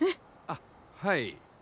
あっはい。